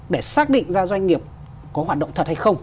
để xác định ra doanh nghiệp có hoạt động thật hay không